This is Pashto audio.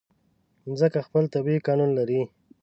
مځکه خپل طبیعي قانون لري.